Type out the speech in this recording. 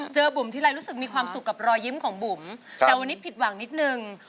บุ๋มทีไรรู้สึกมีความสุขกับรอยยิ้มของบุ๋มแต่วันนี้ผิดหวังนิดนึง